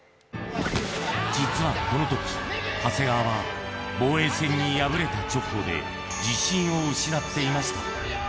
実はこのとき、長谷川は防衛戦に敗れた直後で、自信を失っていました。